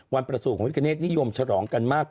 วันประสูรของวันเกิดพระพิคเนธนิยมฉรองกันมาก